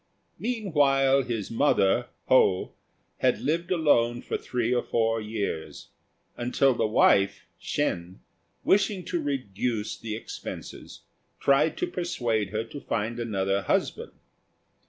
Meanwhile, his mother, Ho, had lived alone for three or four years, until the wife, Shên, wishing to reduce the expenses, tried to persuade her to find another husband.